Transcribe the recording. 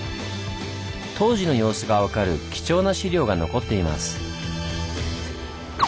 当時の様子が分かる貴重な資料が残っています。